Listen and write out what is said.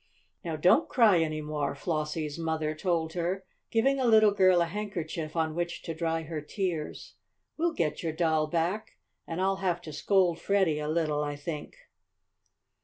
"Now don't cry any more," Flossie's mother told her, giving the little girl a handkerchief on which to dry her tears. "We'll get your doll back, and I'll have to scold Freddie a little, I think."